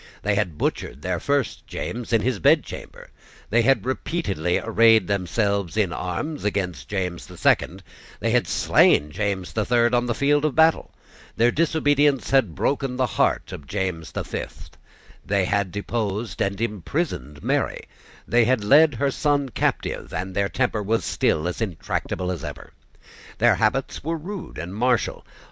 They had butchered their first James in his bedchamber: they had repeatedly arrayed themselves in arms against James the Second; they had slain James the Third on the field of battle: their disobedience had broken the heart of James the Fifth: they had deposed and imprisoned Mary: they had led her son captive; and their temper was still as intractable as ever. Their habits were rude and martial.